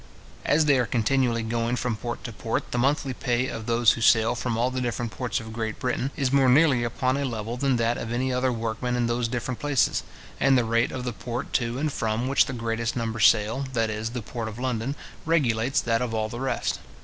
As they are continually going from port to port, the monthly pay of those who sail from all the different ports of Great Britain, is more nearly upon a level than that of any other workmen in those different places; and the rate of the port to and from which the greatest number sail, that is, the port of London, regulates that of all the rest.